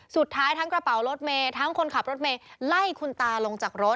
สุดท้ายทั้งกระเป๋ารถเมย์ทั้งคนขับรถเมย์ไล่คุณตาลงจากรถ